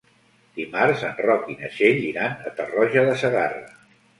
Dimarts en Roc i na Txell iran a Tarroja de Segarra.